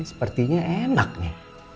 ini sepertinya enak nih